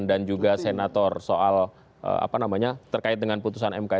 dan juga senator soal terkait dengan putusan mk